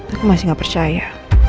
aku masih gak percaya